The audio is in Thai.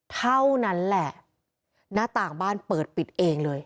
เท่านั้นแหละหน้าต่างบ้านเปิดปิดเองเลย